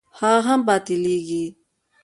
هغه هم باطلېږي.